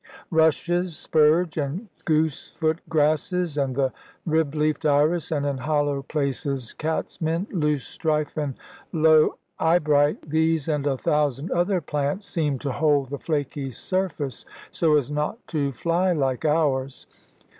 Rushes, spurge, and goose foot grasses, and the rib leafed iris, and in hollow places cat's mint, loose strife, and low eye bright these and a thousand other plants seemed to hold the flaky surface so as not to fly like ours.